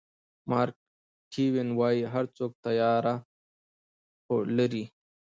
مارک ټواین وایي هر څوک تیاره خوا لري.